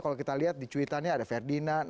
kalau kita lihat di cuitannya ada ferdinand